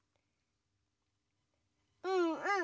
うんうん！